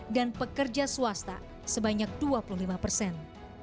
dan pekerja swasta sebanyak dua puluh lima persen